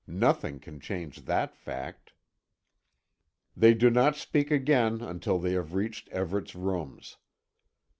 Nothing can change that fact. They do not speak again until they have reached Everet's rooms.